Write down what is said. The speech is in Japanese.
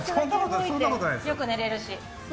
よく寝れるし。